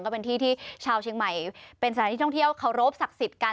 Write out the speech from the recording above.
ก็เป็นที่ที่ชาวเชียงใหม่เป็นสถานที่ท่องเที่ยวเคารพศักดิ์สิทธิ์กัน